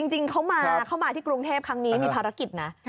จริงเขามาที่กรุงเทพครั้งนี้มีภารกิจนะ